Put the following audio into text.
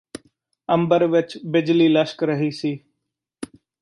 ਅੰਬਰ ਵਿੱਚ ਬਿਜਲੀ ਲੱਛਕ ਰਹੀ ਸੀ